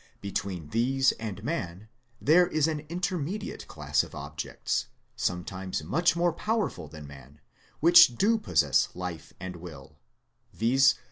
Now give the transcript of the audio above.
Be tween these and man there is an intermediate class of objects, sometimes much more powerful than man, which do possess life and will, viz.